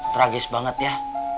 tragis banget ya